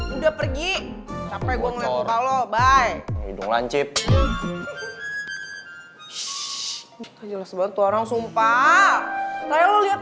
udah pergi capek gua ngeliat muka lo bye hidung lancip jelas banget orang sumpah kayak lo lihat